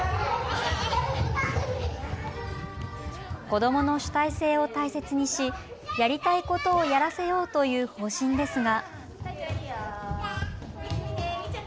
子どもの主体性を大切にしやりたいことをやらせようという方針ですが。